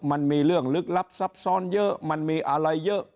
มันมีเรื่องลึกลับซับซ้อนเยอะมันมีอะไรเยอะ